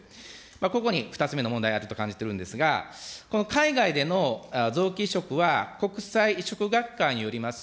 ここに２つ目の問題があると感じてるんですが、この海外での臓器移植は、国際移植学会によります